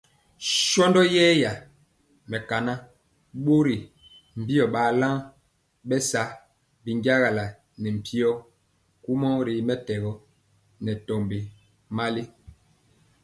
Shɔndɔ yɛra mɛkaa ɓɔri mbio balan bɛ sa binjagala ne mpyo kumɔ ri mɛtɛgɔ nɛ tɔbi mali.